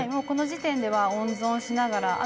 この時点では温存しながら。